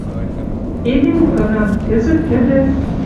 Эдем кынан, кӹзӹт тӹдӹ